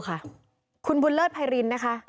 คุณบุญเลิศไพรินนะคะ